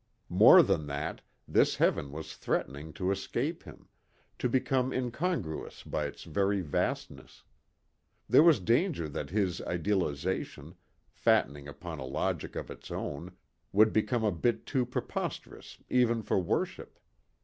More than that this heaven was threatening to escape him, to become incongruous by its very vastness. There was danger that his idealization, fattening upon a logic of its own, would become a bit too preposterous even for worship.